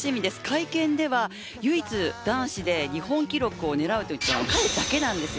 会見では唯一男子で日本記録を狙うと言っていたのは彼だけなんです。